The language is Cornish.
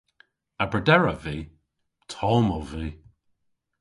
A brederav vy? Tomm ov vy!